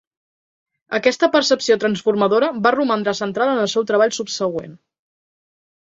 Aquesta percepció transformadora va romandre central en el seu treball subsegüent.